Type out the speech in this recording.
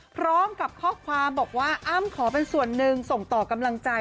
พร้อมกับข้อความบอกว่าอ้ำขอเป็นส่วนหนึ่งส่งต่อกำลังใจ